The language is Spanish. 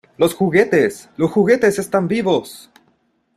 ¡ Los juguetes! ¡ los juguetes están vivos !